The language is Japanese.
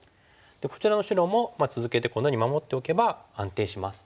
こちらの白も続けてこのように守っておけば安定します。